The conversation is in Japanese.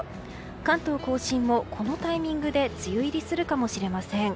関東・甲信もこのタイミングで梅雨入りするかもしれません。